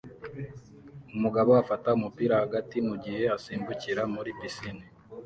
Umugabo afata umupira hagati mugihe asimbukira muri pisine